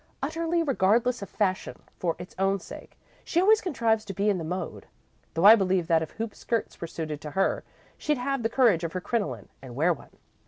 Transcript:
Utterly regardless of fashion, for its own sake, she always contrives to be in the mode, though I believe that if hoop skirts were suited to her, she'd have the courage of her crinoline, and wear one."